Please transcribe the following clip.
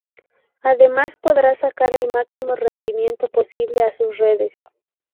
Además podrá sacar el máximo rendimiento posible a sus redes.